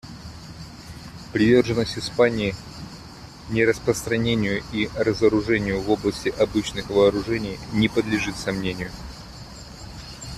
Приверженность Испании нераспространению и разоружению в области обычных вооружений не подлежит сомнению.